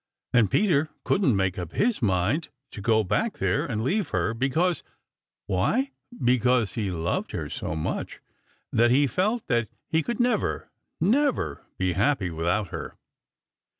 And Peter couldn't make up his mind to go back there and leave her, because why, because he loved her so much that he felt that he could never, never be happy without her.